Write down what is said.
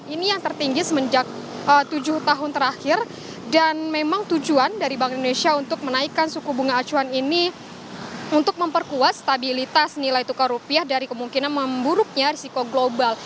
ini yang tertinggi semenjak tujuh tahun terakhir dan memang tujuan dari bank indonesia untuk menaikkan suku bunga acuan ini untuk memperkuat stabilitas nilai tukar rupiah dari kemungkinan memburuknya risiko global